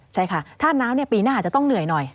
ใช่ค่ะถ้าน้ำปีหน้าอาจจะต้องเหนื่อยหน่อย